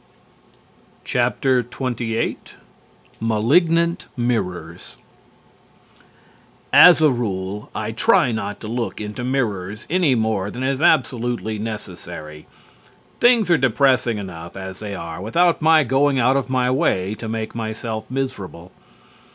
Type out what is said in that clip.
XXVIII MALIGNANT MIRRORS As a rule, I try not to look into mirrors any more than is absolutely necessary. Things are depressing enough as they are without my going out of my way to make myself miserable.